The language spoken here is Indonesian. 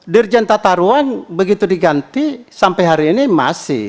dirjen tata ruang begitu diganti sampai hari ini masih